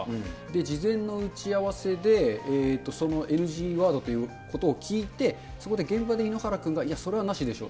事前の打ち合わせで、ＮＧワードということを聞いて、そこで現場で井ノ原君が、いや、それはなしでしょ、